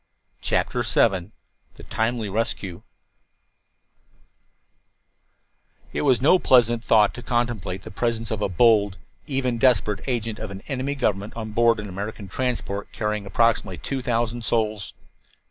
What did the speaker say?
CHAPTER VII THE TIMELY RESCUE It was no pleasant thought to contemplate the presence of a bold, even desperate, agent of an enemy government, on board an American transport carrying approximately two thousand souls.